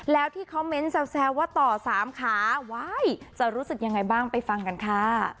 แล้วที่คอมเมนต์แซวว่าต่อสามขาว้ายจะรู้สึกยังไงบ้างไปฟังกันค่ะ